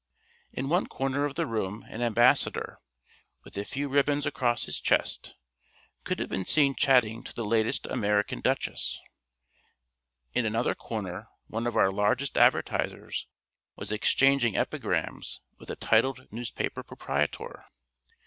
In one corner of the room an Ambassador, with a few ribbons across his chest, could have been seen chatting to the latest American Duchess; in another corner one of our largest Advertisers was exchanging epigrams with a titled Newspaper Proprietor.